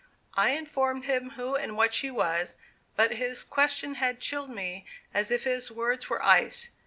I informed him who and what she was, but his question had chilled me as if his words were ice.